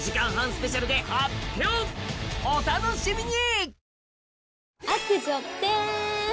お楽しみに！